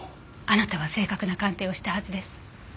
あなたは正確な鑑定をしたはずです。